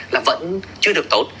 là vẫn chưa được tốt